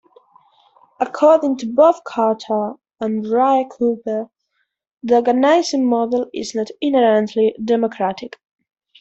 According to Bob Carter and Rae Cooper, the organizing model is not inherently democratic.